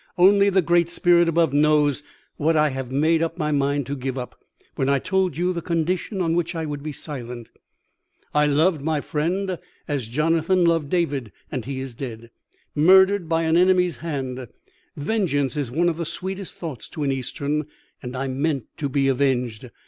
Only the Great Spirit above knows what I had made up my mind to give up, when I told you the condition on which I would be silent. I loved my friend as Jonathan loved David, and he is dead murdered by an enemy's hand. Vengeance is one of the sweetest thoughts to an Eastern, and I meant to be avenged.